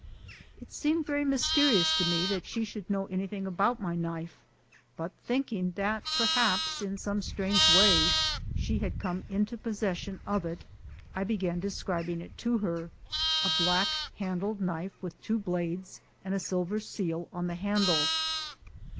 It seemed very mysterious to me that she should know anything about my knife, but thinking that perhaps in some strange way she had come into possession of it, I began describing it to her: a black handled knife with two blades and a silver seal on the handle.